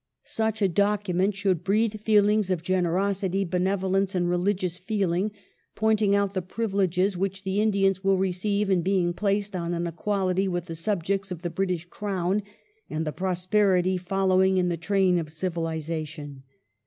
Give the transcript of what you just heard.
Such a document should breathe feelings of generosity, benevolence, and religious feeling, pointing out the privileges which the Indians will receive in being placed on an equality with the subjects of the British Crown, and the pros perity following in the train of civilization."